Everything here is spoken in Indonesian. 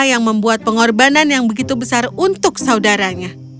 yang membuat pengorbanan yang begitu besar untuk saudaranya